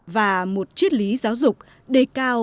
và một triết lý giáo dục đề cao